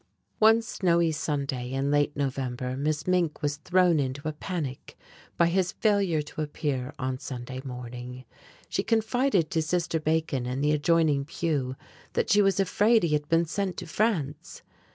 One snowy Sunday in late November Miss Mink was thrown into a panic by his failure to appear on Sunday morning. She confided to Sister Bacon in the adjoining pew that she was afraid he had been sent to France.